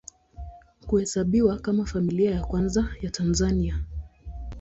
Huhesabiwa kama Familia ya Kwanza ya Tanzania.